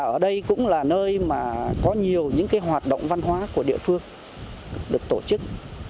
ở đây cũng là nơi mà có nhiều những hoạt động văn hóa của địa phương được tổ chức